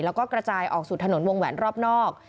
แล้วก็กระจายออกสู่ถนนวงแหวนรอบนอก